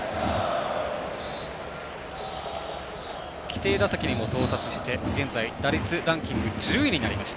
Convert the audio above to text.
規定打席にも到達して現在打率ランキング１０位になりました。